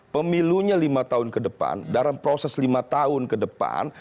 pemilunya lima tahun ke depan dalam proses lima tahun ke depan